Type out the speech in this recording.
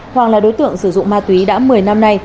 hoàng là đối tượng sử dụng ma túy đã một mươi năm nay